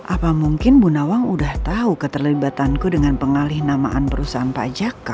apa mungkin bu nawang udah tau keterlibatanku dengan pengalih namaan perusahaan pak jaka